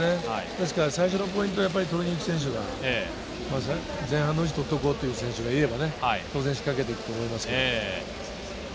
最初のポイントを取りに行く選手が前半のうちにとっておこうという選手がいればね、当然仕掛けていくと思います。